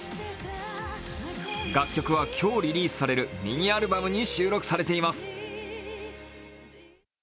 楽曲は今日リリースされるミニアルバムに収録されています。